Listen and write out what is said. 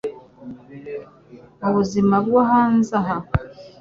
Mubuzima bwo hanze aha